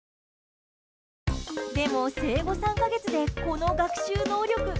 でも、生後３か月でこの学習能力。